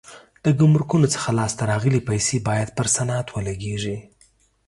د ګمرکونو څخه لاس ته راغلي پیسې باید پر صنعت ولګېږي.